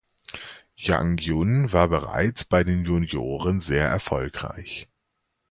Jang Jun war bereits bei den Junioren sehr erfolgreich.